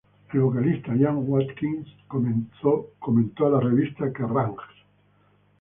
El vocalista Ian Watkins comentó a la revista Kerrang!